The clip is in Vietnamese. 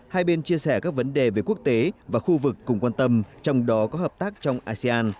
hai bên chia sẻ các vấn đề về quốc tế và khu vực cùng quan tâm trong đó có hợp tác trong asean